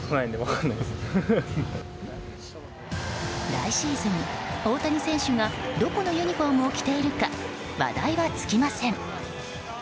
来シーズン、大谷選手がどこのユニホームを着ているか話題は尽きません。